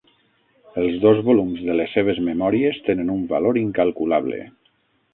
Els dos volums de les seves "Memòries" tenen un valor incalculable.